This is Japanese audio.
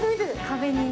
壁に。